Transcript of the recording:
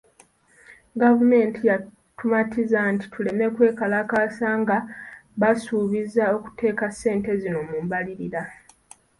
Gavumenti yatumatiza nti ,tuleme kwekalakaasa nga basuubizza okuteeka ssente zino mu mbalirira.